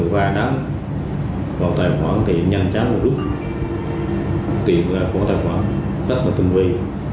còn tài khoản tiền nhanh chắn và rút tiền là của tài khoản rất là tâm lý